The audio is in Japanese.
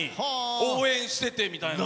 応援しててみたいな。